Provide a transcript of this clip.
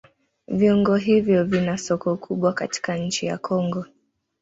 Viuongo hivyo vina soko kubwa katika nchi ya Kongo